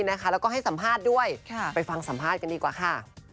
แล้วก็ให้สัมภาษณ์ด้วยไปฟังสัมภาษณ์กันดีกว่าค่ะ